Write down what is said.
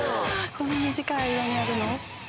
こんな短い間にやるの？